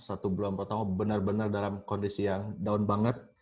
satu bulan pertama benar benar dalam kondisi yang down banget